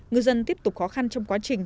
ngư dân tiếp tục khó khăn trong quá trình